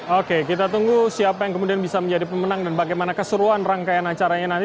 oke kita tunggu siapa yang kemudian bisa menjadi pemenang dan bagaimana keseruan rangkaian acaranya nanti